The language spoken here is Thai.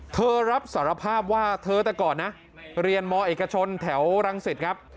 เธอรับสารภาพว่าเธอแต่ก่อนนะเรียนมเอกชนแถวรังสิตครับ